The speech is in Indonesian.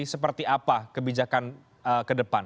seperti apa kebijakan ke depan